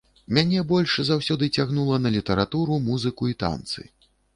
Мяне больш заўсёды цягнула на літаратуру, музыку і танцы.